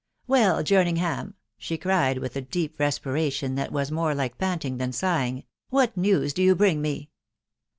" Well, Jemingham !" she cried with a deep respintka that wac *ncre like panting than sighing, " what news do yon bring me?"